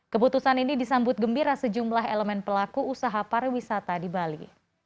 keputusan ini disambut gembira sejumlah elemen pelaku usaha pariwisata di bali